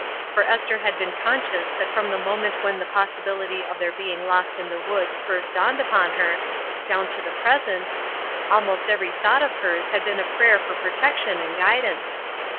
For Esther had been conscious that from the moment when the pos sibility of their being lost in the woods first dawned upon her, down to the present, almost every thought of hers had been a prayer for protection and guidance.